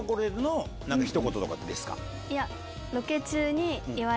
いや。